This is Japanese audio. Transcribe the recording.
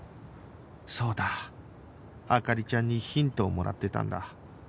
そうだ灯ちゃんにヒントをもらってたんだ